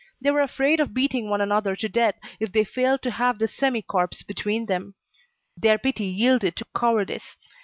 They were afraid of beating one another to death, if they failed to have this semi corpse between them. Their pity yielded to cowardice.